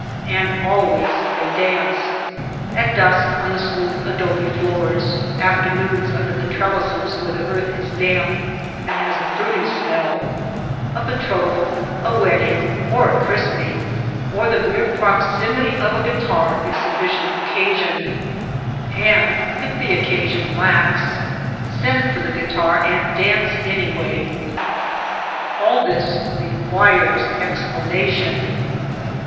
And always they dance ; at dusk on the smooth adobe floors, afternoons under the trellises where the earth is damp and has a fruity smell. A betrothal, a wedding, or a christening, or the mere proximity of a guitar is sufficient occasion; 267 THE LITTLE TOWN OF THE GRAPE VINES and if the occasion lacks, send for the guitar and dance anyway. All this requires explanation.